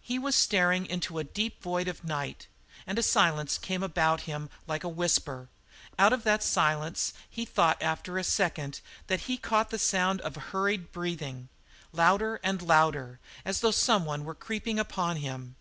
He was staring into a deep void of night; and a silence came about him like a whisper. Out of that silence he thought after a second that he caught the sound of a hurried breathing, louder and louder, as though someone were creeping upon him.